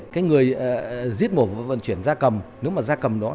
cái người giết mổ vận chuyển ra cầm nếu mà ra cầm đó